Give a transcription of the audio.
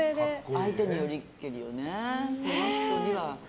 相手によりけりよね。